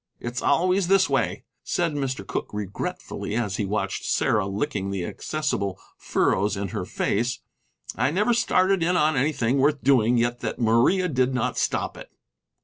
"It's always this way," said Mr. Cooke, regretfully, as he watched Sarah licking the accessible furrows in her face; "I never started in on anything worth doing yet that Maria did not stop it."